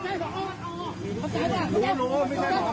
นี่มึงจะหาเสียงอ๋อประจอดจะหาเสียง